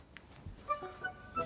bapak marah min